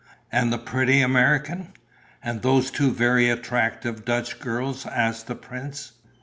And the pretty American." "And those two very attractive Dutch girls?" asked the prince.